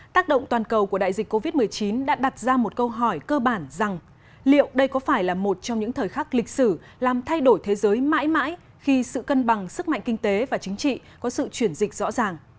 tác động toàn cầu của đại dịch covid một mươi chín đã đặt ra một câu hỏi cơ bản rằng liệu đây có phải là một trong những thời khắc lịch sử làm thay đổi thế giới mãi mãi khi sự cân bằng sức mạnh kinh tế và chính trị có sự chuyển dịch rõ ràng